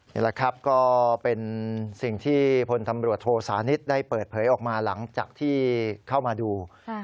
นี่แหละครับก็เป็นสิ่งที่พลตำรวจโทสานิทได้เปิดเผยออกมาหลังจากที่เข้ามาดู